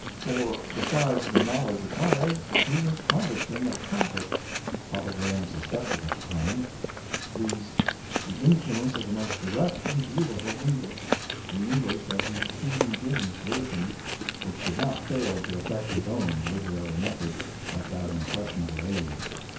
For, besides the knowledge acquired, he was harvesting a profit probably unsuspected at the time viz., the influence of the most direct and beautiful English the English of the King James version which could not fail to affect his own literary method at that impressionable age.